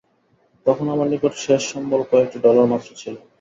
তখন আমার নিকট শেষ সম্বল কয়েকটি ডলার মাত্র ছিল।